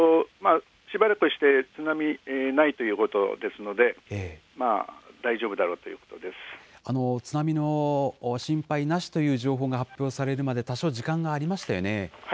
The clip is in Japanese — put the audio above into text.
しばらくして、津波ないということですので、大丈夫だろうと津波の心配なしという情報が発表されるまで、多少時間がありましたよね。